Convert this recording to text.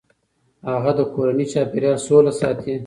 هغې د کورني چاپیریال سوله ساتي.